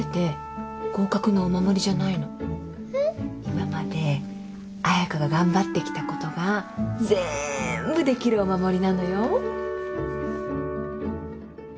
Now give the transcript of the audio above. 今まで彩香が頑張ってきたことが全部できるお守りなのよ